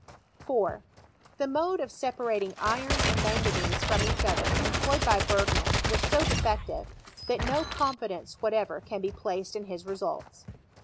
4. The mode of separating iron and manganese from each other employed by Bergman was so de fective, that no confidence whatever can be placed ill his results.